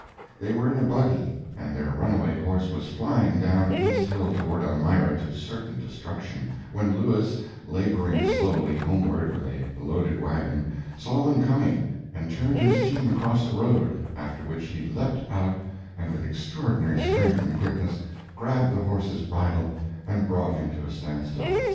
They were in a buggy, and their runaway horse was flying down East Hill toward Elmira to certain destruction, when Lewis, laboring slowly homeward with a loaded wagon, saw them coming and turned his team across the road, after which he leaped out and with extraordinary strength and quickness grabbed the horse's bridle and brought him to a standstill.